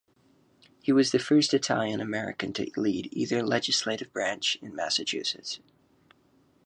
He was the first Italian American to lead either legislative branch in Massachusetts.